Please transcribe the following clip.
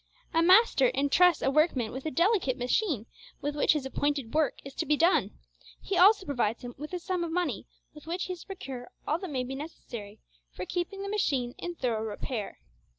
A master entrusts a workman with a delicate machine, with which his appointed work is to be done. He also provides him with a sum of money with which he is to procure all that may be necessary for keeping the machine in thorough repair.